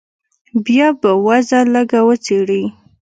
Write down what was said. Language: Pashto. بيا به وضع لږه وڅېړې.